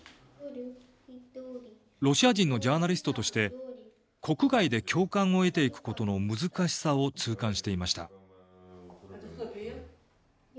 ロシア人のジャーナリストとして国外で共感を得ていくことの難しさを痛感していました。